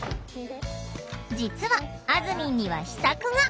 実はあずみんには秘策が！